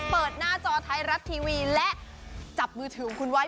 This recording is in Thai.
เปิดหน้าจอไทยรัฐทีวีและจับมือถือของคุณไว้